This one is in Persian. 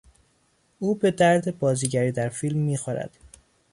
او به درد بازیگری در فیلم میخورد.